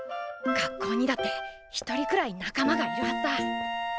学校にだって一人くらい仲間がいるはずだ。